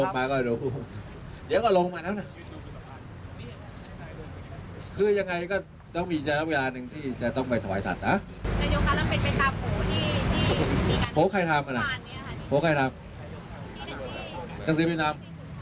พี่สิ่งนะ